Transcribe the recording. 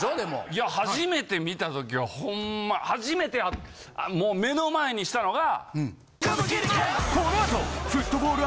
いや初めて見た時はほんま初めてもう目の前にしたのが。